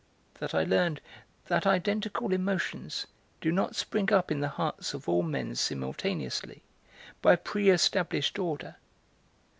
that I learned that identical emotions do not spring up in the hearts of all men simultaneously, by a pre established order.